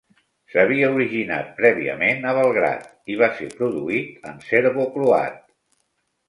S'havia originat prèviament a Belgrad i va ser produït en serbo-croat.